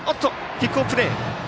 ピックオフプレー。